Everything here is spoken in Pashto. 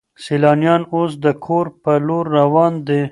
سیلانیان اوس د کور په لور روان دي.